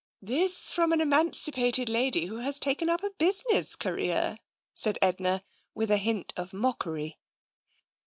" This from an emancipated lady who has taken up a business career !" said Edna, with a hint of mockery.